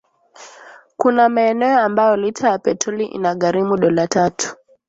kuna maeneo ambayo lita ya petroli inagharimu dola tatu